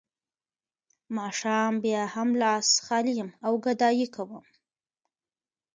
ماښام بیا هم لاس خالي یم او ګدايي کوم